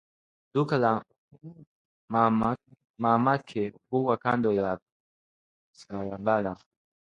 duka la mamake huwa kando ya barabara